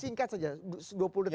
singkat saja dua puluh detik